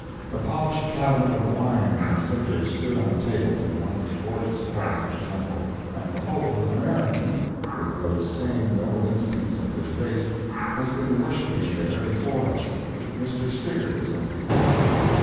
The polished cabinet of wines and liquors stood on a table in one of the gorgeous halls of the temple, and behold, an American, with those same noble instincts of his race, had been worshipping there before us—Mr. Stiggers, of the Alta.